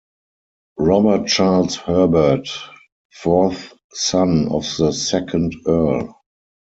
Robert Charles Herbert, fourth son of the second Earl.